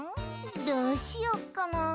どうしよっかな。